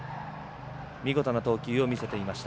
見事な投球を見せていました。